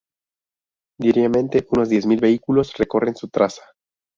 Diariamente, unos diez mil vehículos recorren su traza.